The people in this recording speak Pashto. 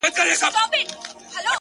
مجاهد د خداى لپاره دى لوېــدلى،